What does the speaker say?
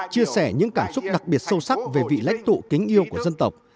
chia sẻ những cảm xúc đặc biệt sâu sắc về vị lãnh tụ kính yêu của dân tộc